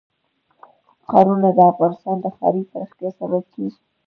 ښارونه د افغانستان د ښاري پراختیا سبب کېږي.